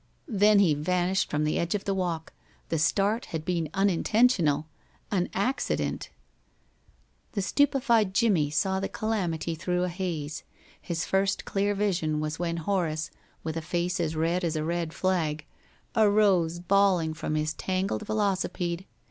Then he vanished from the edge of the walk. The start had been unintentional an accident. The stupefied Jimmie saw the calamity through a haze. His first clear vision was when Horace, with a face as red as a red flag, arose bawling from his tangled velocipede.